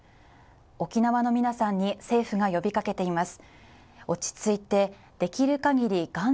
沖縄の皆さんに政府が呼びかけています。